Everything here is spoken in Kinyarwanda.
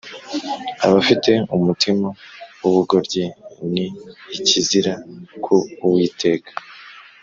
abafite umutima w’ubugoryi ni ikizira ku uwiteka,